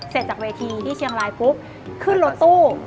เสร็จจากเวทีที่เชียงรายปุ๊บขึ้นรถตู้